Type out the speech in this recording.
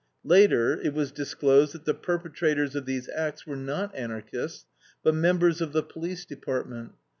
Later it was disclosed that the perpetrators of these acts were not Anarchists, but members of the police department.